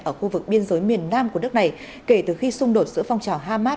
ở khu vực biên giới miền nam của nước này kể từ khi xung đột giữa phong trào hamas